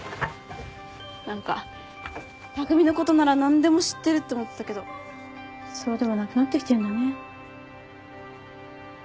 何か匠のことなら何でも知ってるって思ってたけどそうでもなくなってきてんだね。